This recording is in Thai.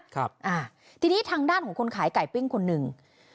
ครับอ่าทีนี้ทางด้านของคนขายไก่ปิ้งคนหนึ่ง